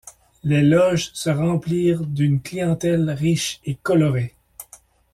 Les loges se remplirent d'une clientèle riche et colorée.